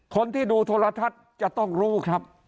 คนที่ดูโทรทัศน์จะต้องรู้ครับ